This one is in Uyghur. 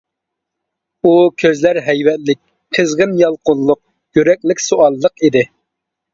ئۇ كۆزلەر ھەيۋەتلىك، قىزغىن، يالقۇنلۇق، يۈرەكلىك، سوئاللىق ئىدى.